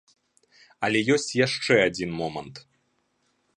Але ёсць яшчэ адзін момант.